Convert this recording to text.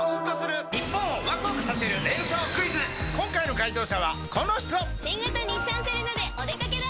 今回の解答者はこの人新型日産セレナでお出掛けだ！